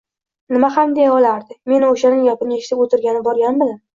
-Nima ham deya olardi, men o’shaning gapini eshitib o’tirgani borganmidim.